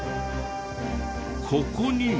ここにも。